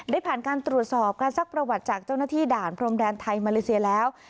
ได้ผ่านการตรวจสอบการซักประวัติจากเจ้าหน้าที่ด่านพรมแดนไทยมาเลเซียแล้ว